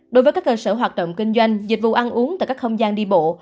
đối với các cơ sở hoạt động kinh doanh dịch vụ ăn uống tại các không gian đi bộ